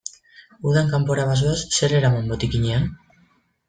Udan kanpora bazoaz, zer eraman botikinean?